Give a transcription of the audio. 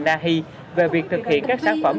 nahi về việc thực hiện các sản phẩm